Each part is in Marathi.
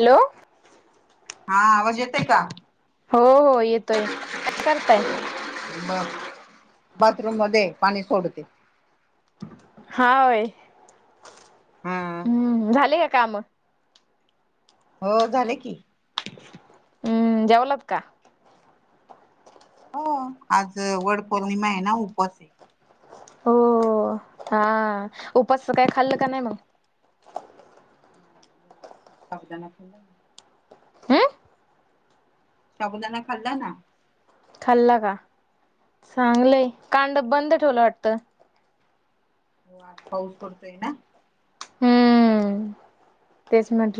हॅलो. हां आवांज येतंय कां? हो हो येतोय कायं कंट करतांय? बरं बाथरूंम मध्यें पाणी सोडते. होयं हा. हम्मं झाले कां कामं? हो झाले की. हम्मं जेवलांत कां? हो आंज वडं पौर्णिमा आहे नां उपास आहे. हो हां उपासचं कांहीं खाल्लं की नाहीं मंग? साबुदाणा हम्म साबुदाणा खाल्लां नां. खाल्लां नां चांगलंय हो कांड बंद ठेवलं वाटतं? हो पाऊस पडतोय नां. हम्मं.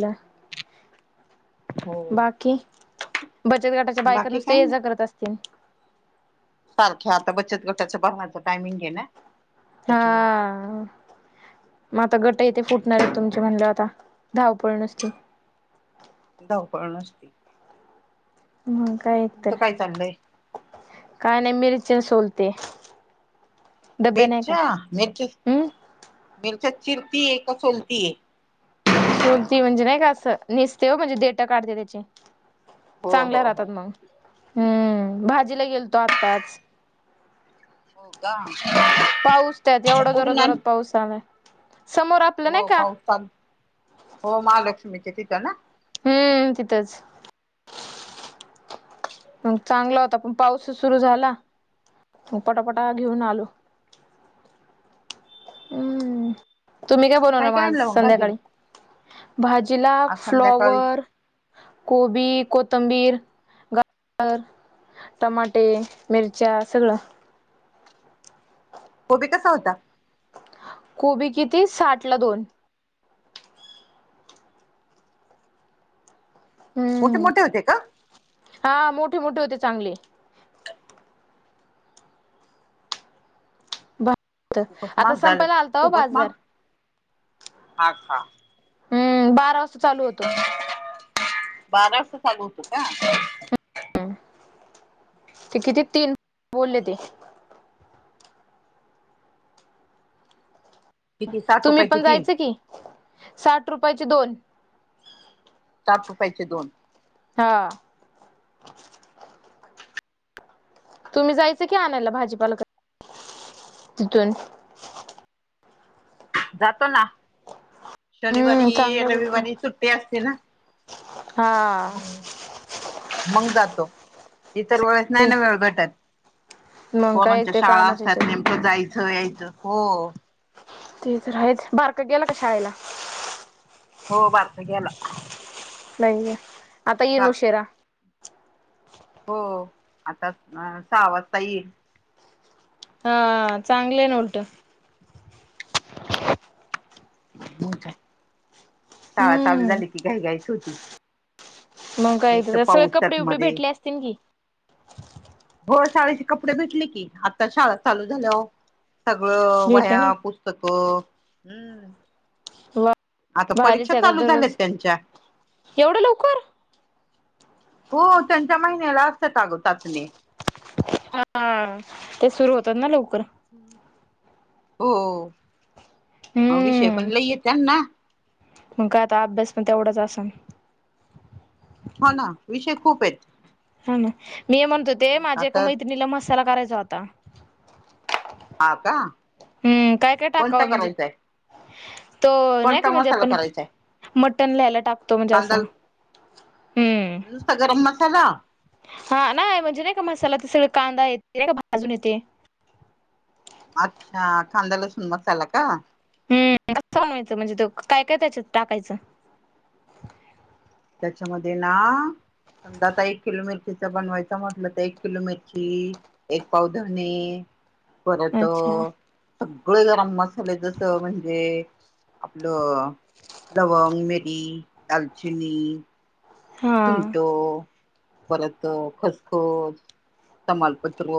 त्यांच्यामुळे. बाकी बघतं गटांच्या बायकां बाकी नुसतं काय ये जां करतं असतील? सांरख्या आंता बचतं गटाचं भराचं टायमिंगे नां. हां. मंग आंता गटं येथे फुटणारे आहेतं तुमचे म्हणल्यांव आंता धावपळ नुसती. धावपळ नसती. हम्मं कायं एक काय तरं चाललंय? कायं नाहीं मिर्च्या सोलतीय मिर्च्या मिर्च्या हम्म मिर्च्या चिरतीय कां सोलतीय? सोलती म्हणजे नाहीं कां असं नेसते हो म्हणजे डेट काढते त्यांचे- हो चांगल्या हो हो. राहतांत मंग हम्मं भाजीला गेलतो आत्ताचं. हो कां. पाऊस त्यांत एवढां जोरां जोरांत पाऊस आंलाय समोर आं- हो पाऊस चालूं हां महालक्ष्मीचे तिथं नां? हम्मं तिथंच. मंग चांगला होतां पणं पाऊसचं सुरूं झालां मंग पटापटा हम्म. घेऊन आलो. हम्मं तुम्हीं कायं बनवलं काय मंग काय आंज आणलं मग भाजीला संध्याकांळी? भाजी लां आज संध्याकाळी फ्लॉवर कोबी कोथंबीर गवांर- टमाटे मिर्च्या सगळं. कोबी असां होतां? कोबी किती साठ लां दोन. हम्मं. मोठे, मोठे होते का? हा मोठे, मोठे होते चांगले. खूपच आता महाग झालत, संपायला आलता हो खूपच महाग बाजार हा खा [inaudible] हम्म बारा वाजता चालू होतो बारा वाजता चालू होतो का? हम्म, ते किती तीन बोलले ते किती साठ तुम्ही रुपयाचे पण तीन जायच की साठ रुपयाचे दोन. साठ रुपायचे दोन. हा. तुम्ही जायचं की आणायला भाजीपाला तिथून. जातोना हम्म शनिवारी, चांगलं भेटतो रविवारी सुट्टी असते ना. हा मंग जातो. इतर वेळेस नाही ना वेळ भेटत मग काय पोरांच्या ते शाळा कामाच्या असतात नेम हेच्यात कुठे जायचं यायचं हो. ते तर आहेच, बारकं गेलं का शाळेला? हो बारका गेला. नाहीये आता इन बार उशिरा. हो आता सहा वाजता येईल. हा चांगले ना उलटं. मगं काय, शाळा चालू हम्म झाली की घाई, घाईच होती. मग आणि काय एक तर सगळे पाऊस कपडे त्यात वपडे मध्ये भेटले असतीन की? हो शाळेचे कपडे भेटले की आता शाळा चालू झाल्यावर सगळं भेटले वह्या ना पुस्तकं, हम्म. वा [inaudible] आता परीक्षा चालू झाल्यात त्यांच्या. एवढ्या लवकर? हो त्यांच्या महिन्याला असत्यात अ ग चाचणी. हा ते सुरू होतात ना लवकर. हो, विषय पण हम्म लई ए त्यांना? मग काय आता अभ्यास पण तेवढाच आसन. हो ना विषय खूप आहेत. हा ना, मी हे म्हणत होते माझ्या एका आता मैत्रिणीला मसाला करायचा होता. हा का. हम्म, काय, काय कोणता टाकावं म्हणजे करायचाय तो नाही कोणता का म्हणजे मसाला आपण करायचाय मटण ला याला टाकतो म्हणजे कांदा असा? हम्म नुसता गरम मसाला? हा नाही म्हणजे नाही का मसाला ते सगळे कांदा येते नाही का भाजून येते. अच्छा कांदा लसुण मसाला का? हम्म, कसं बनवायचा म्हणजे ते काय, काय त्याच्यात टाकायच‌. त्याच्यामध्ये ना समजा आता एक किलो मिरचीचं बनवायचं म्हटलं तर एक किलो मिरची एक पाव धने परत अ अच्छा सगळे गरम मसाले जस म्हणजे आपलं लवंग, मिरी, दालचिनी हा सुंट परत खसखस. तमालपत्र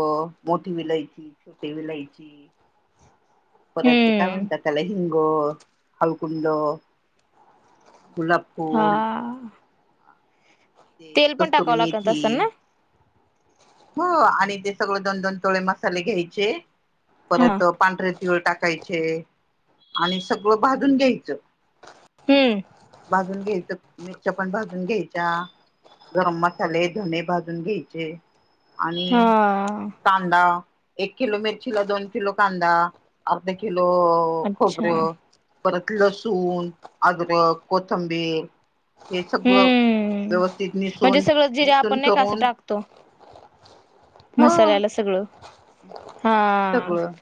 मोठी विलायची, छोटी विलायची, परत काय हम्म म्हणतात त्याला, हिंग, हाळकुंड, गुलाब, हा्््््् ते तेल पण कस्तुरी टाकावं लागत असल मेथी ना. हो आणि ते सगळं दोन दोन तोळे मसाले घ्यायचे हा परत, पांढरे तिळं टाकायचे आणि सगळं भाजून घ्यायचं. हम्म भाजून घ्यायचं मिरच्या पण भाजून घ्यायच्या गरम मसाले धने भाजून, भाजुन घ्यायचे आणि हा कांदा एक किलो मिरचीला दोन किलो कांदा अर्धा किलो, अच्छा खोबरं, परत लसूण, अद्रक, कोथंबीर, हे सगळं हम्म. व्यवस्थित निसून निसून करून त मसाल्याला सगळं- ह [inaudible] हा... सगळं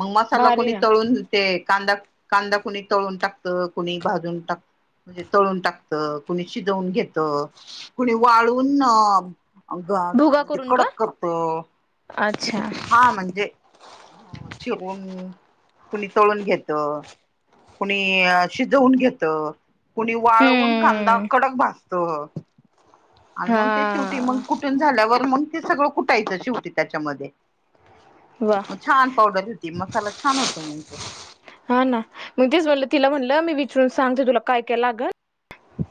मग मसाला भारी कोुणी ना तळून ते कांदा कांदा कुणी तळून टाकतं कुणी भाजून टाकतं. म्हणजे तळून टाकत, कुणी शिजवून घेत, कुणी वाळून भुगा अगं करून का कडक करतं अच्छा हा म्हणजे, चिरुन कुणी तळून घेत. कुणी शिजवून घेत. कुणी वाळवून कांदा हम्म. कडक भाजत. आणि हा मग ते शेवटी मग कुठून झाल्यावर मग ते सगळं कुठायचं शेवटी त्यांच्यामध्ये. वा. छान पावडर होती. मसाला छान होतो मग तो हा ना मी तेच म्हणल तिला म्हणलं मी विचरून सांगते तुला काय काय लागलंन.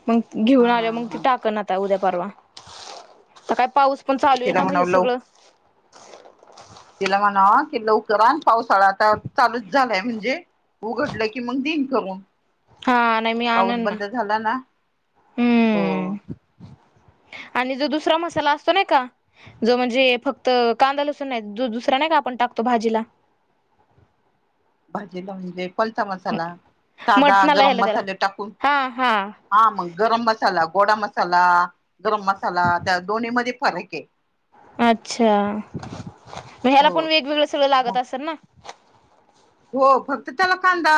मग घेऊन हा आले मग त हा टाक नता उद्या परवा तर काय पाऊस पण चालू आहे तिला ना मग हे म्हणाव ल सगळं [unintelligible] तिला म्हणाव की लवकरआन पावसाळा आता चालूच झालाय म्हणजे, उघडलं की मग दिन करून. हा नाही मी पाऊस आणन बंद झाला ना हो हम्म. आणि जो दुसरा मसाला असतो नाही का. जो म्हणजे फक्त कांदा लसून नाही. जो दुसरा नाही का आपण टाकतो भाजीला भाजीला म्हणजे कोणचा मसाला साधा मटणाला गरम ह्याला त्याला मसाले टाकून हा हा हा मग गरम मसाला, गोडा मसाला, गरम मसाला त्या दोन्ही मध्ये फरक आहे. अच्छा! मग ह्याला पण हो वेगवेगळं सगळं मग लागत असेल ना. हो फक्त त्याला कांदा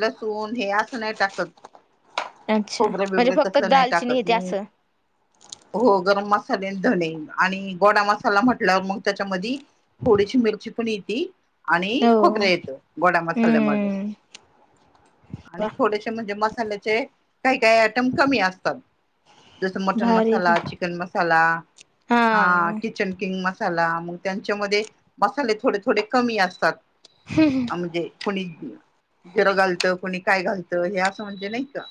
लसूण हे असं नाही टाकत. अच्छा खोबरे म्हणजे बिबरे फक्त तसलं नाही दालचिनी हे टाकत ते मग, असं हो गरम मसाले धणे आणि गोडा मसाला म्हटल्यावर मग त्यांच्यामध्ये थोडीशी मिरची पण येती आणि हो खुपतेल, गोडा मसाल्यामध्ये हम्म आणि वा थोडेसे म्हणजे मसाल्याचे. काही काही आयटम कमी असतात. जस मटन भारी की मसाला चिकन मसाला हा किती, किचन किंग मसाला, मग त्यांच्यामध्ये मसाले थोडे थोडे कमी असतात. हम ह म्हणजे कोणी जिर घालतं कोणी काय घालतं हे असं म्हणजे नाही का?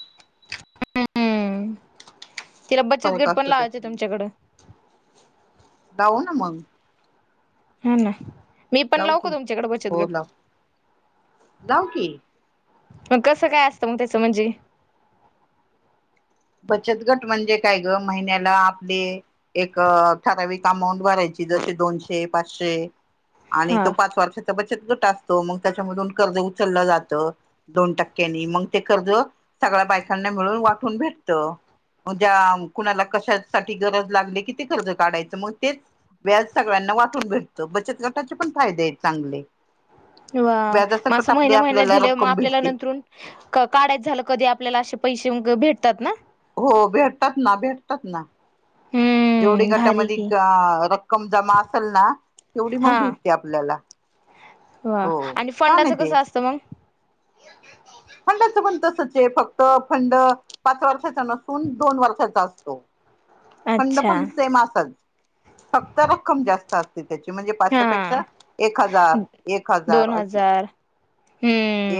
हम्म तिला बचत फरक गट पण असतो लावायचं त्याच्यामध्ये आमच्याकडं. लाऊ ना मग. हा ना, मी पण लावू लाऊ का की तुमच्याकडे बचत गट. लाऊ की. मग कसं काय असतं मग त्याचं म्हणजे बचत गट म्हणजे काय ग महिन्याला आपले एक ठराविक अमाऊंट भरायची जसे दोनशे पाचशे. आणि तो हा पाच वर्षाचा बचत गट असतो. मग त्याच्यामधून कर्ज उचललं जातं. दोन टक्क्यांनी मग ते कर्ज सगळ्या बायकांना मिळून वाटून भेटत. त ज्या कुणाला कशासाठी गरज लागली कि ते कर्ज काढायचं मग तेच व्याज सगळ्यांना वाटून भेटतं बचत गटाचे पण फायदे आहेत चांगले. वा व्याजासकट असं आपली महिन्या महिन्यात आपल्याला दिले मग रक्कम आपल्याला भेटते नंतरून काढायच झालं कधी आपल्याला असे पैसे भेटतात ना हो भेटतात ना भेटतात ना. जेवढी हम्म भारी गटामध्ये की रक्कम जमा असेल ना तेवढी मग भेट ते आपल्याला ह हो आणि छान आहे फंडाचं ते कसं असतं मग. फंडाचं पण तसच आहे फक्त फंड पाच वर्षाचा नसून दोन वर्षाचा असतो फंड अच्छा पण सेम फक्त रक्कम जास्त असती. त्याची म्हणजे हा पाचश्यापेक्षा एक हजार एक हजार अशी.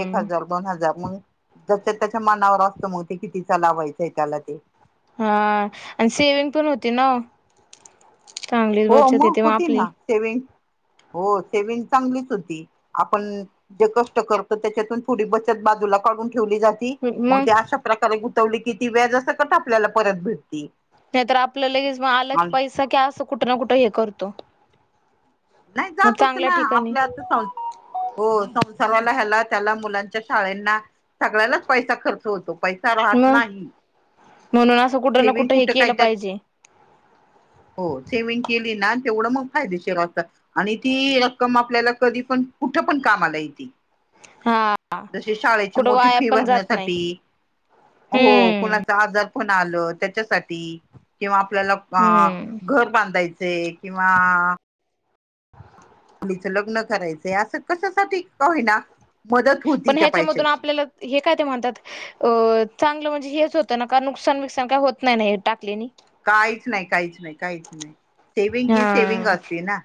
एक हजार दोन हजार मग जच्या त्याच्या मनावर असतं मग ते कितीचा लावायचंय त्याला ते. हा आणि सेविंग पण होती ना चांगलीच हो बचत येते मग होती आपली. ना सेविंग हो सेविंग चांगलीच होती. आपण जे कष्ट करतो त्याच्यातून थोडी बचत बाजूला काढून ठेवली जाते. मग ती अशा प्रकारे गुंतवली की ती व्याजसकट आपल्याला परत भेटती. नाहीतर आपल्या लगेचग आलं की पैसा क असं कुठं ना कुठं हे करतो. नाही मग चांगल्या जातोनाच ठिकाणी आपल्या संसारी आता. हो संसाराला ह्याला त्याला मुलांच्या शाळेना सगळ्यालाच पैसा खर्च होतो. पैसा राहत मग नाही. म्हणून असं कुठं ना सेविंग कुठं हे कुठे काय केलं त्यात पाहिजे. हो सेविंग केली ना तेवढं मग फायदेशीर असत. आणि ती रक्कम आपल्याला कधी पण कुठे पण काम आला येती. हा जसे शाळेची कुठं मोठी वाया फी पण जात नाही भरण्यासाठी. हो हम्म कुणाचा आजार पण आलं त्याच्यासाठी किंवा आपल्याला अ हम्म घर बांधायचे किंवा मुलीच लग्न करायचंय असं कशासाठी होईना मदत होती पण त्या ह्याच्यामधून पैशाची. आपल्याला हे काय ते म्हणतात अ चांगलं म्हणजे हेच होतं ना का नुकसान विकसान काही होत नाही नाही टाकले काहीच नाही काहीच नाही काहीच नाही सेव्हींग हा ही सेव्हीग असते ना.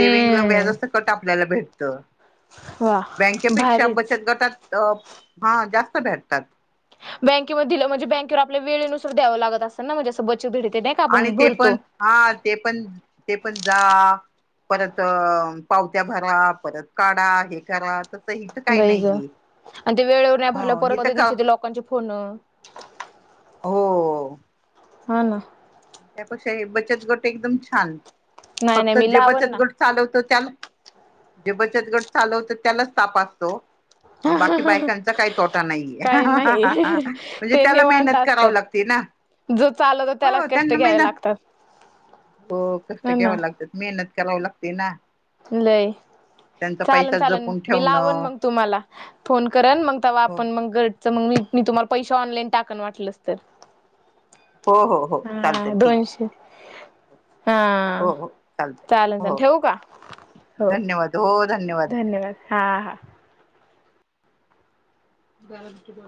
सेव्हीग ला व्याजासकट आपल्याला भेटत. वा बँकेपेक्षा भारीच बचत गटात हा जास्त भेटतात. बँकेमध्ये दिल म्हणजे बँकेवर आप वेळेनुसार द्याव लागत असे ना म्हणजे बचत का आणि आपण ते भरतो पण हा ते पण ते पण जा परत पावत्या भरा, परत काढा हे करा. इथं काही वई ग नाहीये आणि ते वेळेवर नाही भरलं हो हि परत तर का त्यांचे ते लोकांची फोन. हो. हा ना. त्यापेक्षा हे बचत गट एकदम छान. नाही नाही फक्त मी जे लावन बचत ना गट चालवत त्याला, जे बचत गट चालवत त्यालाच ताप असत ओ. बाकी बायकांचा काही तोटा नाहीये. [unintelligible] काही नाही म्हणजे ते त्याला निवांत मेहनत कराव असतात लाग ते ना. जो चालवतो त्याला हो कष्ट त्यांना घ्यावे मेहनत लागतात, हो [inaudible] कष्ट होना. घ्यावे मेहनत कराव लागते ना. लय. त्यांचा पैसा चालन-चालन जपून मी लावन ठेवणं मग तुम्हाला फोन करन मग तेव्हा हो आपण मग ग च मग मी, मी तुम्हाला पैसे ऑनलाईन टाकणं वाटलंस तर. हो हो हो [inaudible] हा चालतय ठीक आहे दोनशे. [inaudible] हा हो हो चालतय चालेल चाल हो ठेवू का? हो धन्यवाद हो धन्यवाद. धन्यवाद, हां हां. [unintelligible]